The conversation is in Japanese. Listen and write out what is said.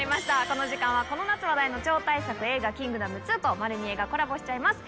この時間はこの夏話題の超大作映画『キングダム２』と『まる見え！』がコラボしちゃいます。